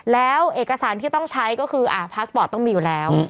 แล้วเอกสารที่ต้องใช้ก็คือพาสปอร์ตต้องมีอยู่แล้ว